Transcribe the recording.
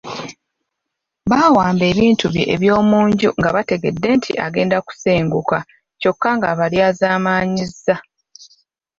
Baawamba ebintu bye eby’omu nju nga bategedde nti agenda kusenguka kyokka ng’abalyazaamaanyizza.